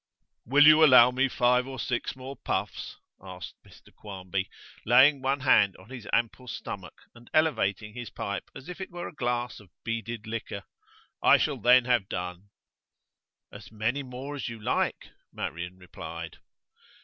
'Will you allow me five or six more puffs?' asked Mr Quarmby, laying one hand on his ample stomach and elevating his pipe as if it were a glass of beaded liquor. 'I shall then have done.' 'As many more as you like,' Marian replied.